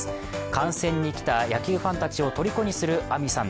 観戦に来た野球ファンたちをとりこにするあみさん